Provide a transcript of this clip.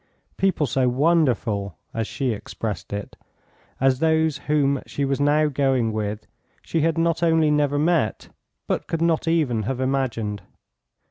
People so wonderful (as she expressed it) as those whom she was now going with she had not only never met but could not even have imagined.